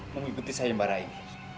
mengikuti saya yang barah ini